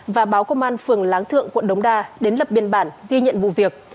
và báo công an phường láng thượng quận đống đa đến lập biên bản ghi nhận vụ việc